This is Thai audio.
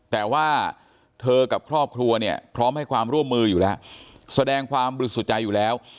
แต่ว่าเธอกับครอบครัวเนี่ยพร้อมให้ความร่วมมืออยู่แล้วแสดงความบริสุทธิ์ใจอยู่แล้ว